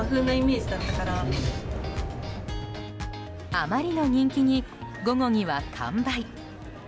あまりの人気に午後には完売。